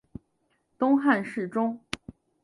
东汉侍中。